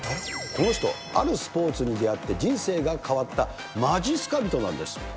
この人、あるスポーツに出会って人生が変わった、まじっすか人なんです。